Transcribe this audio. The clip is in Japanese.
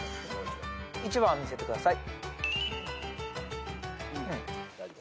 １番見せてください。